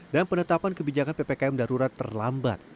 dan penetapan kebijakan ppkm darurat terlambat